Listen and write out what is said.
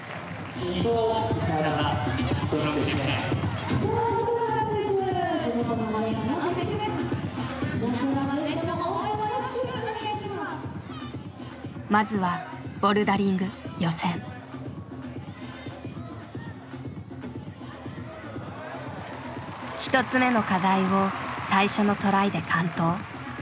１つ目の課題を最初のトライで完登。